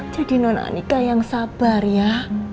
jadi non anika yang sabar ya